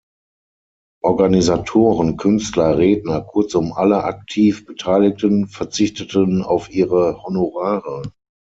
Organisatoren, Künstler, Redner, kurzum alle aktiv Beteiligten, verzichteten auf ihre Honorare.